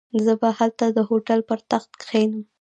زه به هلته د هوټل پر تخت کښېنم.